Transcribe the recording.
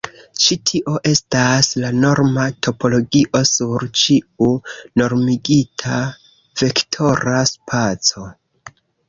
Ĉi tio estas la norma topologio sur ĉiu normigita vektora spaco.